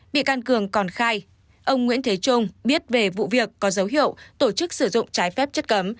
bị can cường còn khai ông nguyễn thế trung biết về vụ việc có dấu hiệu tổ chức sử dụng trái phép chất cấm